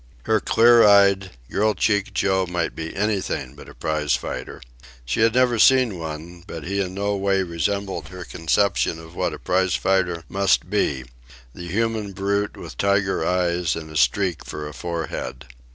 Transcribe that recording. Her clear eyed, girl cheeked Joe might be anything but a prize fighter. She had never seen one, but he in no way resembled her conception of what a prize fighter must be the human brute with tiger eyes and a streak for a forehead.